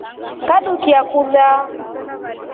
Ngandukia kulya.